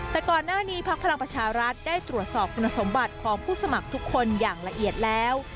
แต่ก่อนหน้านี้พักพลังประชารัฐได้ตรวจสอบคุณสมบัติของผู้สมัครทุกคนอย่างละเอียดแล้ว